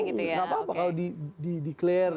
tidak apa apa kalau di declare